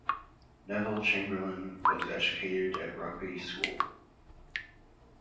Neville Chamberlain was educated at Rugby School.